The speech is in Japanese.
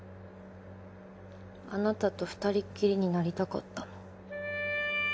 あなたと２人っきりになりたかったの。